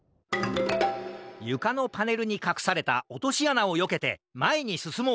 ゆかのパネルにかくされたおとしあなをよけてまえにすすもう！